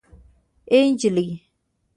اي نجلۍ